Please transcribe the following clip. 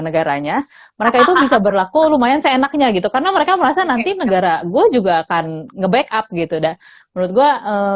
negaranya mereka itu bisa berlaku lumayan seenaknya gitu karena mereka merasa nanti negara gua juga akan ngeback up gitu dah menurut gua